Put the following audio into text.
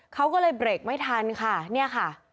เขาก็เลยเบรกไม่ทันค่ะเนี่ยค่ะ